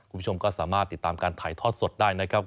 คุณผู้ชมก็สามารถติดตามการถ่ายทอดสดได้นะครับ